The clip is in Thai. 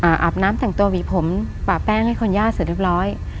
อาบน้ำแต่งตัวหวีผมป่าแป้งให้คนย่าเสร็จเรียบร้อย